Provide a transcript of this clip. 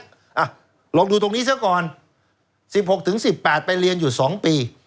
อ่ะลองดูตรงนี้ซะก่อนสิบหกถึงสิบแปดไปเรียนอยู่สองปี